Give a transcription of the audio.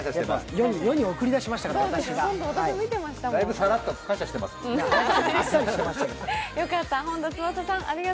世に送り出しましたから、私が。